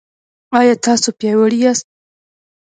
ایا تاسو پیاوړي یاست؟